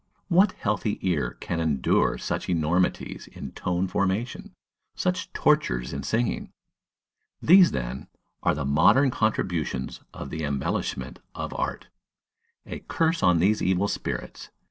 What healthy ear can endure such enormities in tone formation, such tortures in singing? These, then, are the modern contributions for the embellishment of art! A curse on these evil spirits!